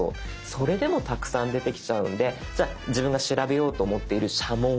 それでもたくさん出てきちゃうんでじゃあ自分が調べようと思っている「社紋」を入れようとか。